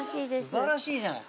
すばらしいじゃない。